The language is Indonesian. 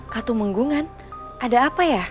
katemungan ada apa ya